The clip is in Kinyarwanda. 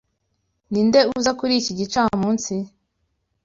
Ninde uza kuri iki gicamunsi?